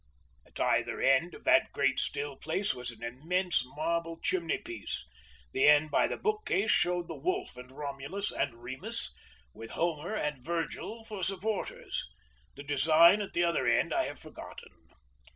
At either end of that great still place was an immense marble chimney piece; the end by the bookcase showed the wolf and Romulus and Remus, with Homer and Virgil for supporters; the design of the other end I have forgotten.